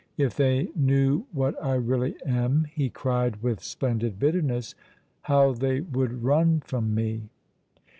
"If they knew what I really am," he cried with splendid bitterness, "how they would run from me!"